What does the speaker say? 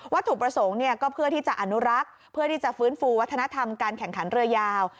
ถูกประสงค์ก็เพื่อที่จะอนุรักษ์เพื่อที่จะฟื้นฟูวัฒนธรรมการแข่งขันเรือยาว